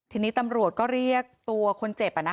ทีนี้ตำรวจก็เรียกตัวคนเจ็บ